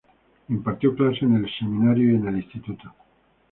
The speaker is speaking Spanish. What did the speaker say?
Impartió clases en el Seminario y en el Instituto.